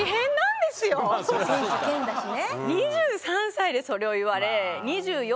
選手兼だしね。